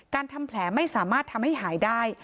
ทำแผลไม่สามารถทำให้หายได้